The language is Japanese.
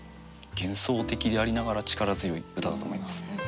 幻想的でありながら力強い歌だと思います。